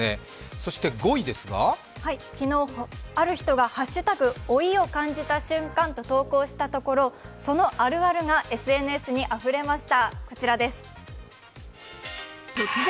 そして５位ですが昨日ある人が「＃老いを感じた瞬間」として、そのあるあるがＳＮＳにあふれました。